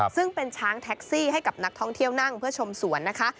ซึ่งเป็นช้างแท็กซี่ให้กับนักท่องเที่ยวนั่งเพื่อชมสวนนะคะ